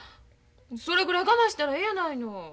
それぐらい我慢したらええやないの。